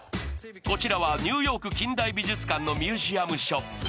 こちらはニューヨーク近代美術館のミュージアムショップ。